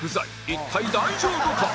一体大丈夫か？